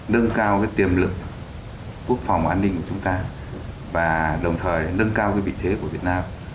nâng cao tiềm lực quốc phòng an ninh của chúng ta và đồng thời nâng cao vị thế của việt nam